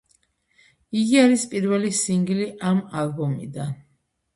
იგი არის პირველი სინგლი ამ ალბომიდან.